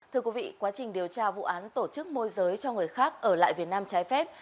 thưa quý vị quá trình điều tra vụ án tổ chức môi giới cho người khác ở lại việt nam trái phép